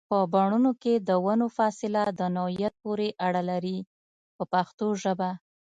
په بڼونو کې د ونو فاصله د نوعیت پورې اړه لري په پښتو ژبه.